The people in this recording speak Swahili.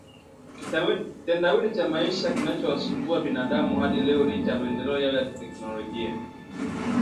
kitendawili cha maisha kinachowasumbua binadamu hadi leo licha ya maendeleo yao ya kiteknolojia